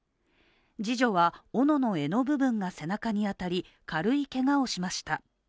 次女はおのの柄の部分が背中に当たり、軽いけがをしました。